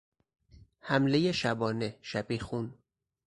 حملهی شبانه، شبیخون